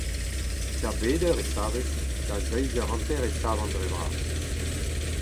Da bet eur e savez ? Da seizh eur hanter e savan dre-vras.